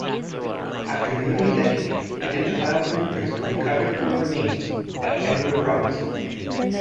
After nearly a decade, identifiable fingerprints were recovered from the remains by Edward Robinson.